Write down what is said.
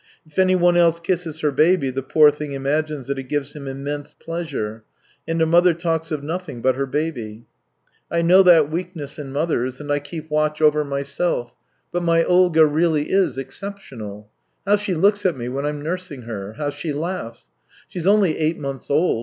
If anyone else kisses her baby the poor thing imagines that it gives him immense pleasure. And a mother talks of nothing but her baby. I know that weakness in mothers, and I keep watch over THREE YEARS 275 myself, but my Olga really is exceptional. How she looks at me when I'm nursing her ! How she laughs ! She's only eight months old.